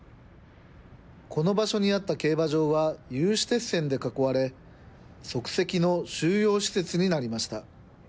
この場所にあった競馬場は有刺鉄線で囲われ、即席の収容施設になりました。